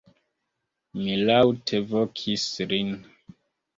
Mi laŭte vokis lin.